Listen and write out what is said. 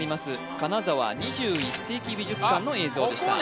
金沢２１世紀美術館の映像でしたあ